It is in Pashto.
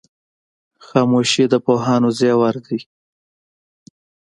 خاموشي د پوهانو زیور دی.